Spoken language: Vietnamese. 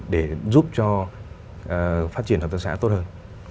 để giúp cho phát triển hợp tác xã tốt hơn